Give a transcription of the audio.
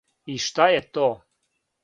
И шта је то?